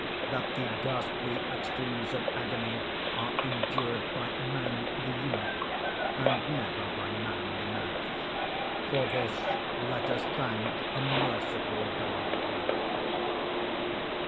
That the ghastly extremes of agony are endured by man the unit, and never by man the mass——for this let us thank a merciful God!